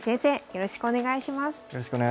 よろしくお願いします。